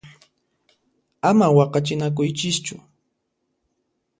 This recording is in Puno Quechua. Ama waqachinakuychischu!